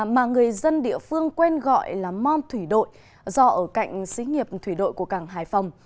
mà người dân địa phương quen gọi là mom thủy đội do ở cạnh xí nghiệp thủy đội của cảng hải phòng